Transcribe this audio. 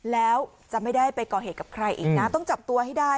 แล้วจะไม่ได้ไปก่อเหตุกับใครอีกนะต้องจับตัวให้ได้